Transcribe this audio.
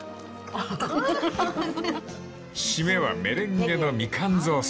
［締めはメレンゲのみかん雑炊］